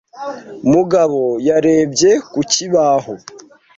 Mugabo yarebye ku kibaho